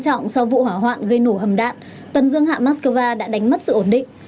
trọng sau vụ hỏa hoạn gây nổ hầm đạn tần dương hạng moskva đã đánh mất sự ổn định